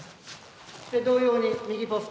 同様に右ポスト